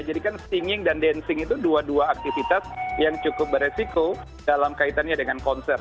jadi kan singing dan dancing itu dua dua aktivitas yang cukup beresiko dalam kaitannya dengan konser